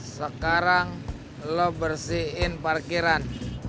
sekarang lo bersihin parkiran